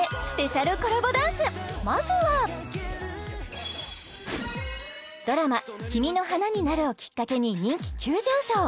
まずはドラマ「君の花になる」をきっかけに人気急上昇